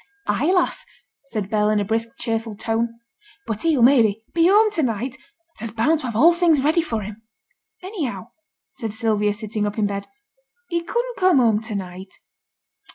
'Ay, lass!' said Bell, in a brisk, cheerful tone; 'but he'll, maybe, be home to night, and I'se bound to have all things ready for him.' 'Anyhow,' said Sylvia, sitting up in bed, 'he couldn't come home to night.'